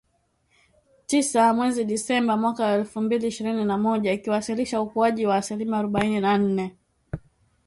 Tisa mwezi Disemba mwaka wa elfu mbili ishirini na moja, ikiwasilisha ukuaji wa asilimia arobaini na nne.